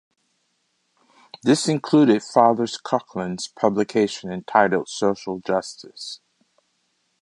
This included Father Coughlin's publication entitled "Social Justice".